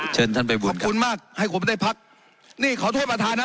เชิญท่านไปบูลขอบคุณมากให้ผมได้พักนี่ขอโทษประธานนะ